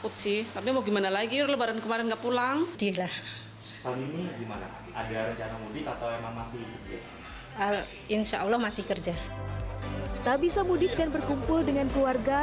tak bisa mudik dan berkumpul dengan keluarga